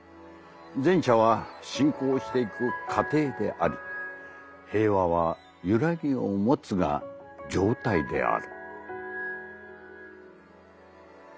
前者は進行していく『過程』であり平和はゆらぎを持つが『状態』である」。